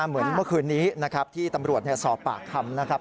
เมื่อคืนนี้นะครับที่ตำรวจสอบปากคำนะครับ